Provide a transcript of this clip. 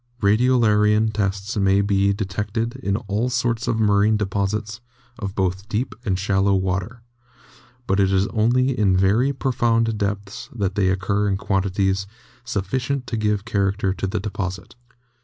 Radiolarian tests may be detected in all sorts of marine deposits of both deep and shallow water, but it is only in very pro found depths that they occur in quantity sufficient to give character to the deposit.